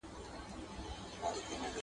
چي نه ځني خلاصېږې، په بړ بړ پر ورځه.